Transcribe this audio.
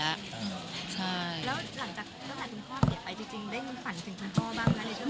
แล้วหลังจากเวลาถึงพ่อไปจริงได้ฝันถึงพ่อบ้างไหม